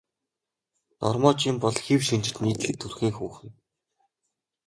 Норма Жин бол хэв шинжит нийтлэг төрхийн хүүхэн.